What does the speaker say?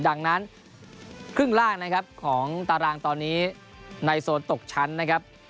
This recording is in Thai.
ดังนั้นครึ่งล่างนะครับของตารางตอนนี้ในโซนตกชั้นนะครับ